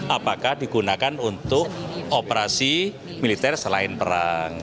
apakah digunakan untuk operasi militer selain perang